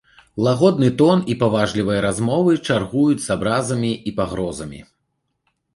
Лагодны тон і паважлівыя размовы чаргуюць з абразамі і пагрозамі.